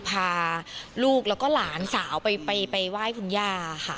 พาลูกแล้วก็หลานสาวไปไหว้คุณย่าค่ะ